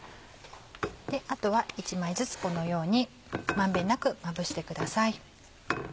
あとは１枚ずつこのように満遍なくまぶしてください。